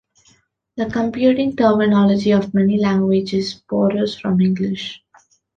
The computing terminology of many languages borrows from English.